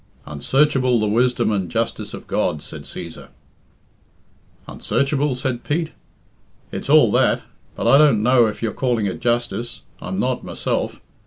"Unsearchable the wisdom and justice of God," said Cæsar. "Unsearchable?" said Pete. "It's all that. But I don't know if you're calling it justice. I'm not myself.